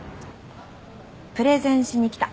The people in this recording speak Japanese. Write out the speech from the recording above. プレゼンしに来た。